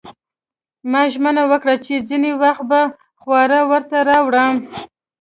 ما ژمنه وکړه چې ځینې وخت به خواړه ورته راوړم